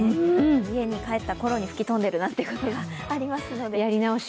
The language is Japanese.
家に帰ったころに吹き飛んでるなんてことありますので。